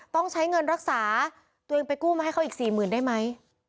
ต้องใช้เงินรักษาตัวเองไปกู้มาให้เขาอีกสี่หมื่นได้ไหม